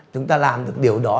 chúng ta làm được điều đó